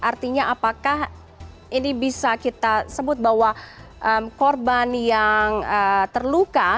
artinya apakah ini bisa kita sebut bahwa korban yang terluka